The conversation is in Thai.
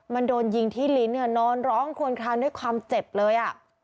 มันโดนยิงที่ลิ้นนอนร้องควนคลางด้วยความเจ็บเลย